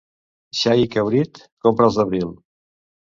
Xai i cabrit, compra'ls d'abril.